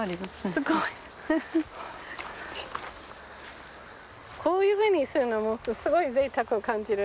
すごい！こういうふうにするのもすごいぜいたくを感じる。